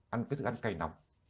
ăn cái thức ăn cay nóng